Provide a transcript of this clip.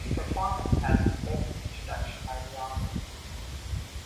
The performance has a spoken introduction by the author.